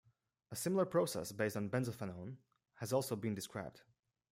A similar process based on benzophenone has also been described.